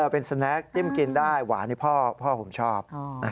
เป็นสแนคจิ้มกินได้หวานนี่พ่อผมชอบ